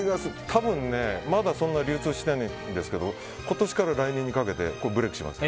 多分、まだそんなに流通していないんですけど今年から来年にかけてブレークします。